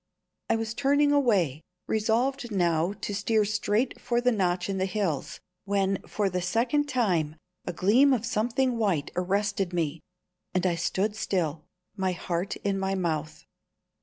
I was turning away, resolved now to steer straight for the notch in the hills, when for the second time a gleam of something white arrested me, and I stood still, my heart in my mouth.